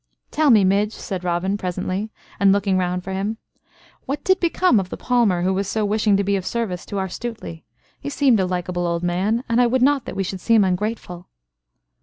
"Tell me, Midge," said Robin, presently, and looking round for him, "what did become of the palmer who was so wishing to be of service to our Stuteley? He seemed a likeable old man, and I would not that we should seem ungrateful."